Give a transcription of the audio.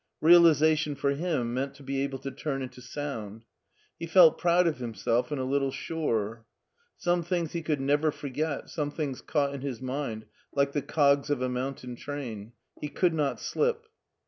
Realization for him meant to be able to turn into sound He felt proud of himself and a little sure. Some things he could never f orget, some things caught in his mind like the cogs of a mountain train. He could not slip.